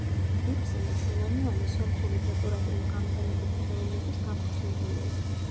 რიფსიმე სიმონიანი სომხური დეკორატიულ-გამოყენებითი ხელოვნების დამფუძნებელია.